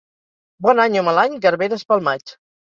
Bon any o mal any, garberes pel maig.